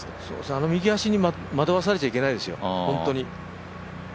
あの右足に惑わされちゃいけないですよ、本当に。